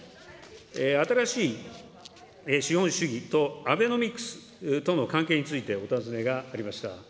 新しい資本主義とアベノミクスとの関係についてお尋ねがありました。